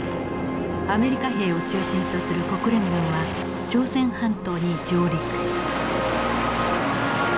アメリカ兵を中心とする国連軍は朝鮮半島に上陸。